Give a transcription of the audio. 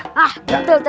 hah betul betul